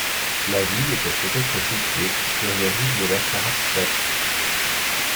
La ville était peut-être située sur les rives de la Sarasvatî.